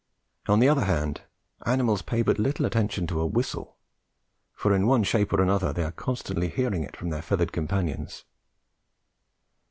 On the other hand, animals pay but little attention to a whistle, for in one shape or another they are constantly hearing it from their feathered companions.